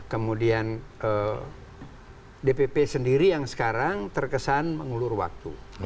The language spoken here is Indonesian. kemudian dpp sendiri yang sekarang terkesan mengulur waktu